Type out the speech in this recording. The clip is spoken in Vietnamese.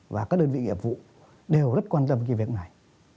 và các đơn vị nghiệp vụ đều rất quan tâm cái việc này